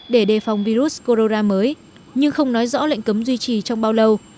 để đề phòng virus corona mới nhưng không nói rõ lệnh cấm duy trì trong bao lâu